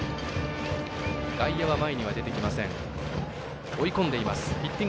外野は前には出てきません。